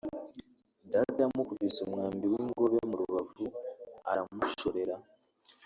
data yamukubise umwambi w’ingobe mu rubavu aramushorera